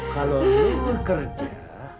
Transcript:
kalau lo kerja